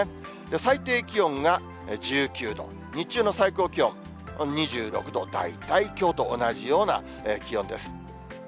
最低気温が１９度、日中の最高気温、２６度、大体きょうと同じような気温です。